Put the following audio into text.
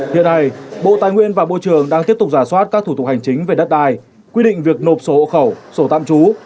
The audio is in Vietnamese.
hiện nay bộ tài nguyên và môi trường đang tiếp tục giả soát các thủ tục hành chính về đất đai quy định việc nộp sổ hộ khẩu sổ tạm trú